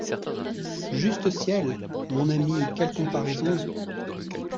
Juste ciel ! mon ami, quelle comparaison !